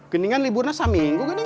kendingan liburnya satu minggu gak nih